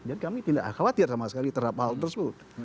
jadi kami tidak khawatir sama sekali terhadap hal tersebut